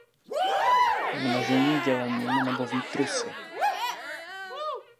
Množení dělením nebo výtrusy.